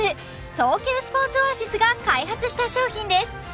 東急スポーツオアシスが開発した商品です